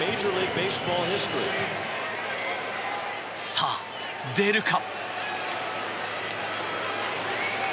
さあ、出るか？